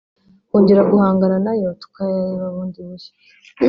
kongera guhangana na yo tukayareba bundi bushya